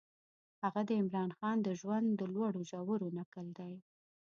هغه د عمرا خان د ژوند د لوړو ژورو نکل دی.